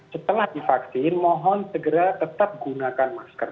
setelah divaksin mohon segera tetap gunakan masker